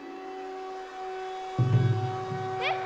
えっ！